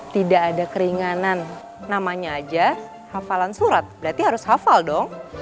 tidak ada keringanan namanya aja hafalan surat berarti harus hafal dong